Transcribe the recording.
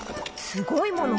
すごいもの？